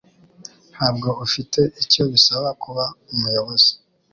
Ntabwo ufite icyo bisaba kuba umuyobozi.